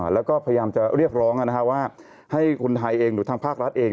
แล้วก็พยายามจะเรียกร้องว่าให้คนไทยเองหรือทางภาครัฐเอง